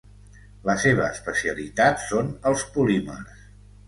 La seva especialitat són els polímers.